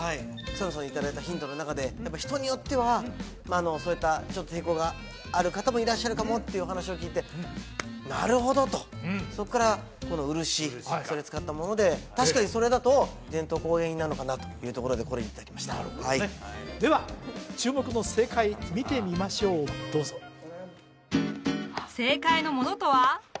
草野さんにいただいたヒントの中でやっぱ人によってはそういったちょっと抵抗がある方もいらっしゃるかもっていうお話を聞いてなるほど！とそっからこのうるしそれ使ったもので確かにそれだと伝統工芸品なのかなというところでこれに至りましたなるほどねでは注目の正解見てみましょうどうぞ正解のものとは？